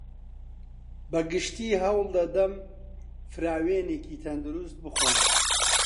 بەگشتی هەوڵدەدەم فراوینێکی تەندروست بخۆم.